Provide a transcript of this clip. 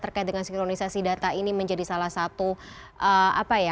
terkait dengan sinkronisasi data ini menjadi salah satu apa ya